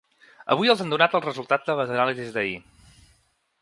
Avui els han donat els resultats de les anàlisis d’ahir.